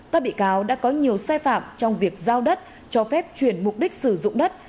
các bị cáo đã có nhiều sai phạm trong việc giao đất cho phép chuyển mục đích sử dụng đất